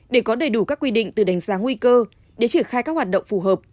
để có đầy đủ các quy định từ đánh giá nguy cơ đến triển khai các hoạt động phù hợp